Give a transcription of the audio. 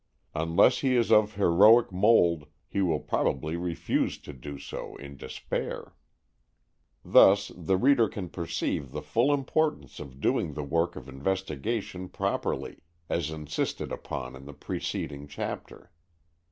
Unless he is of heroic mould, he will probably refuse to do so in despair! Thus the reader can perceive the full importance of doing the work of investigation properly, as insisted upon in the preceding chapter.